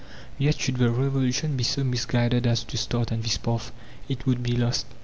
Yet should the Revolution be so misguided as to start on this path, it would be lost.